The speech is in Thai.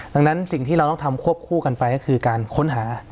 ดังนั้นสิ่งที่เราต้องทำควบคู่กันไปก็คือการค้นหา